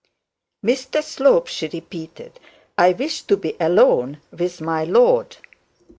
'Mr Slope,' she repeated, 'I wish to be alone with my lord.'